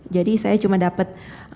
jadi saya cuma dapat